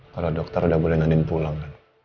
kalau dokter udah boleh nganin pulang